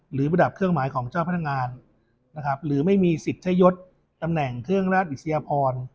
หรือประดับเครื่องหมายของเจ้าพนักงานนะครับหรือไม่มีสิทธิ์ใช้ยดตำแหน่งเครื่องราชอิสยพร